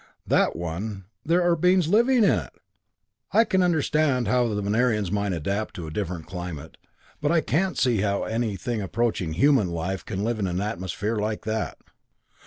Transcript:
That one there are beings living in it! I can understand how the Venerians might adapt to a different climate, but I can't see how anything approaching human life can live in an atmosphere like that."